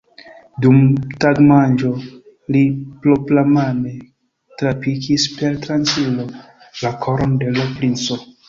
Dum tagmanĝo li propramane trapikis per tranĉilo la koron de l' princo!